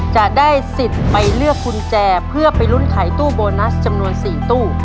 จะได้สิทธิ์ไปเลือกกุญแจเพื่อไปลุ้นไขตู้โบนัสจำนวน๔ตู้